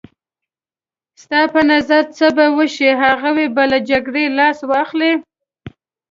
ستا په نظر څه به وشي؟ هغوی به له جګړې لاس واخلي.